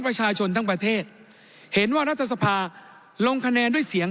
ประชาชนทั้งประเทศเห็นว่ารัฐสภาลงคะแนนด้วยเสียง